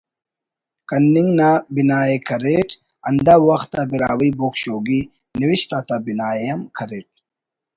کننگ نا بناءِ کریٹ ہندا وخت آ براہوئی بوگ شوگی نوشت آتا بناءِ ہم کریٹ